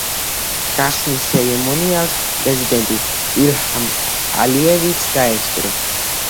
გახსნის ცერემონიალს პრეზიდენტი ილჰამ ალიევიც დაესწრო.